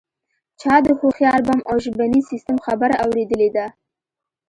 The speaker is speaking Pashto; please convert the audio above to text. چا د هوښیار بم او ژبني سیستم خبره اوریدلې ده